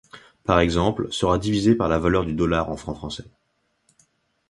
Par exemple, sera divisé par la valeur du dollar en francs français.